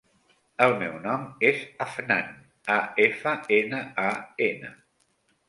El meu nom és Afnan: a, efa, ena, a, ena.